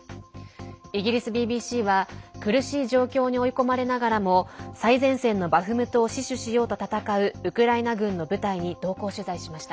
イギリスＢＢＣは苦しい状況に追い込まれながらも最前線のバフムトを死守しようと戦うウクライナ軍の部隊に同行取材しました。